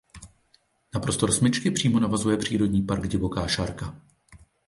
Na prostor smyčky přímo navazuje přírodní park Divoká Šárka.